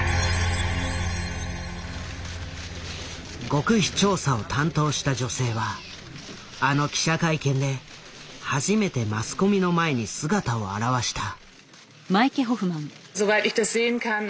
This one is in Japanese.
極秘調査を担当した女性はあの記者会見で初めてマスコミの前に姿を現した。